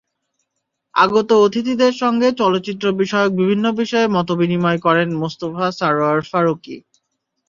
আগত অতিথিদের সঙ্গে চলচ্চিত্র বিষয়ক বিভিন্ন বিষয়ে মতবিনিময় করেন মোস্তফা সরওয়ার ফারুকী।